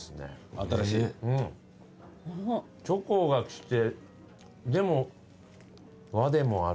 チョコがきてでも和でもあるな。